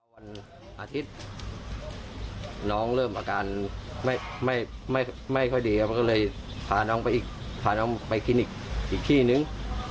วันอาทิตย์น้องเริ่มอาการไม่ค่อยดีก็เลยทาน้องไปคลินิกอีกที่หนึ่ง